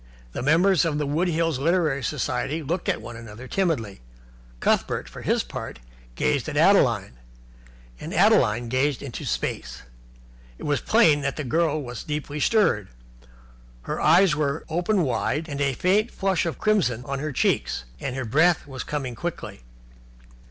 The members of the Wood Hills Literary Society looked at one another timidly. Cuthbert, for his part, gazed at Adeline; and Adeline gazed into space. It was plain that the girl was deeply stirred. Her eyes were opened wide, a faint flush crimsoned her cheeks, and her breath was coming quickly.